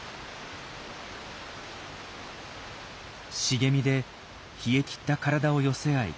茂みで冷えきった体を寄せ合い